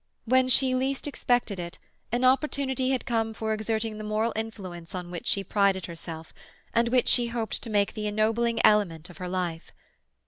When she least expected it an opportunity had come for exerting the moral influence on which she prided herself, and which she hoped to make the ennobling element of her life.